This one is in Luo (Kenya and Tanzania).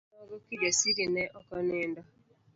Otieno nogo Kijasiri ne oko nindo.